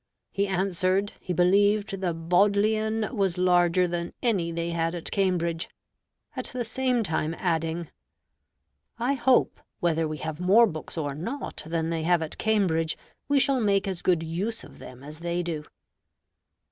He answered, he believed the Bodleian was larger than any they had at Cambridge; at the same time adding, "I hope, whether we have more books or not than they have at Cambridge, we shall make as good use of them as they do."